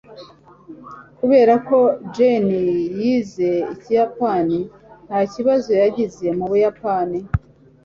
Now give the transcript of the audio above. kubera ko jenny yize ikiyapani, nta kibazo yagize mu buyapani